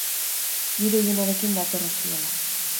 Giro ilunarekin dator ostirala.